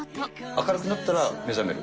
明るくなったら目覚める？